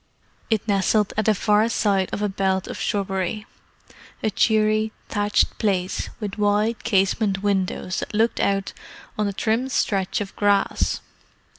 It nestled at the far side of a belt of shrubbery: a cheery, thatched place, with wide casement windows that looked out on a trim stretch of grass.